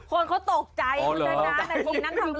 คนเขาตกใจอยู่แล้วนะในภูมินั้นทำร้ายไม่ถูกแล้ว